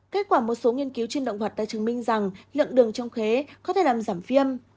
kết quả một số nghiên cứu trên động vật đã chứng minh rằng lượng đường trong khế có thể làm giảm viêm